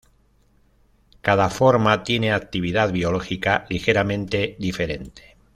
Cada forma tiene actividad biológica ligeramente diferente.